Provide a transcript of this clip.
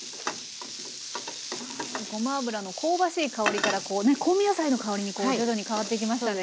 ごま油の香ばしい香りから香味野菜の香りに徐々に変わっていきましたね